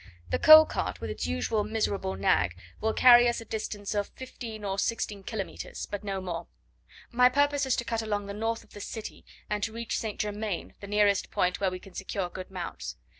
"The coal cart, with its usual miserable nag, will carry us a distance of fifteen or sixteen kilometres, but no more. My purpose is to cut along the north of the city, and to reach St. Germain, the nearest point where we can secure good mounts.